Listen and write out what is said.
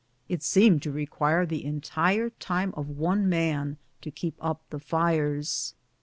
It seemed to require the entire time of one man to keep up tlie fires.